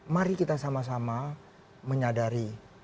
mari kita sama sama menyadari